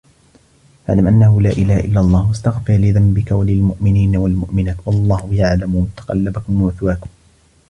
فَاعلَم أَنَّهُ لا إِلهَ إِلَّا اللَّهُ وَاستَغفِر لِذَنبِكَ وَلِلمُؤمِنينَ وَالمُؤمِناتِ وَاللَّهُ يَعلَمُ مُتَقَلَّبَكُم وَمَثواكُم